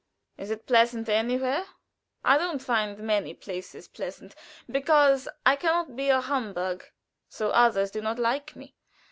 "Is it pleasant anywhere? I don't find many places pleasant, because I can not be a humbug, so others do not like me.